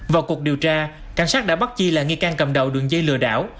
vào cuộc điều tra cảnh sát đã bắt chi là nghi can cầm đầu đường dây lừa đảo